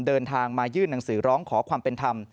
เดินทางมายื่นหนังสือร้องขอความเป็นธรรม